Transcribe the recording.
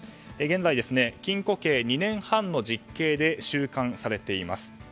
現在、禁錮刑２年半の実刑で収監されています。